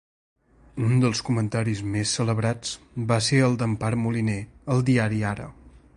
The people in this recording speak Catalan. Un dels comentaris més celebrats va ser el d'Empar Moliner al diari Ara.